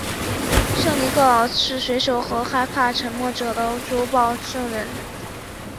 圣尼各老是水手和害怕沉没者的主保圣人。